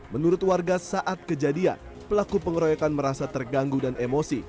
menurut warga saat kejadian pelaku pengeroyokan merasa terganggu dan emosi